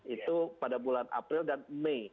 itu pada bulan april dan mei